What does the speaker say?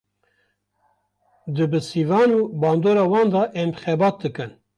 Di bi sîvan û bandora wan de em xebat bikin